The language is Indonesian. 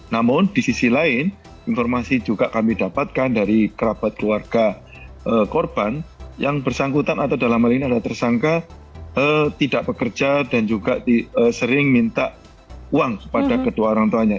namun di sisi lain informasi juga kami dapatkan dari kerabat keluarga korban yang bersangkutan atau dalam hal ini adalah tersangka tidak bekerja dan juga sering minta uang kepada kedua orang tuanya